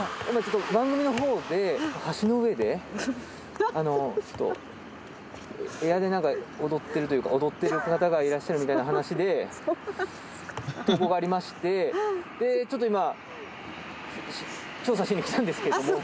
今ちょっと番組の方で橋の上でちょっとエアでなんか踊ってるというか踊ってる方がいらっしゃるみたいな話で投稿がありましてでちょっと今調査しに来たんですけれども。